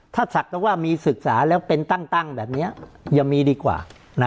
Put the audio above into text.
ถ้าศักดิ์ต้องว่ามีศึกษาแล้วเป็นตั้งตั้งแบบเนี้ยยังมีดีกว่านะ